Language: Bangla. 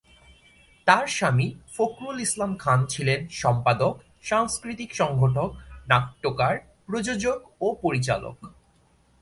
তার স্বামী ফখরুল ইসলাম খান ছিলেন সম্পাদক, সাংস্কৃতিক সংগঠক, নাট্যকার, প্রযোজক ও পরিচালক।